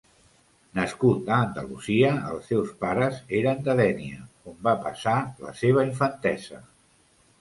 Nascut a Andalusia, els seus pares eren de Dénia, on va passar la seva infantesa.